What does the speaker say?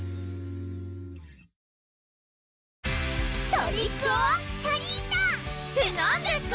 トリックオアトリート！って何ですか